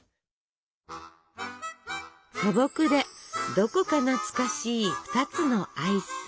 素朴でどこか懐かしい２つのアイス！